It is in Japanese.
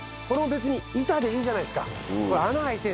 これも別に板でいいじゃないですか。